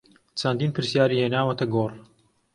چەندین پرسیاری هێناوەتە گۆڕ